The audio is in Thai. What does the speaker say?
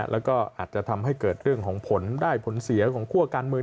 แล้วก็อาจจะทำให้เกิดเรื่องของผลได้ผลเสียของคั่วการเมือง